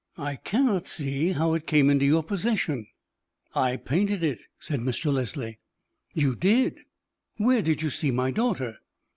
"I cannot see how it came into your possession." "I painted it," said Mr. Leslie. "You did! Where did you see my daughter?"